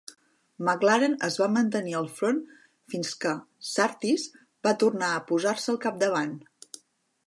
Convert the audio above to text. McLaren es va mantenir al front fins que Surtees va tornar a posar-se al capdavant.